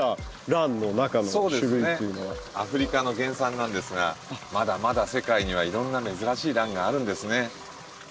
アフリカの原産なんですがまだまだ世界にはいろんな珍しいランがあるんですね。